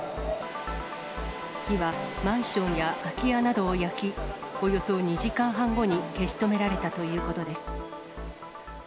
火はマンションや空き家などを焼き、およそ２時間半後に消し止められたということです。